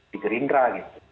di gerindra gitu